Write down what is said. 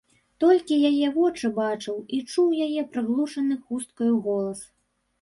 Толькі яе вочы бачыў і чуў яе прыглушаны хусткаю голас.